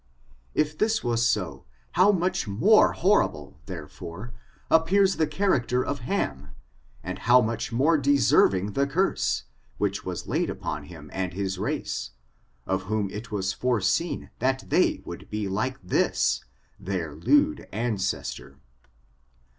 If this was so, how much more horrible, therefore, appears the character of Ham, and how much more deserving the curse, which was laid upon him and his race, of whom it was foreseen that thet/ would be like this, their lewd ancestor.